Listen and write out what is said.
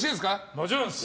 もちろんです！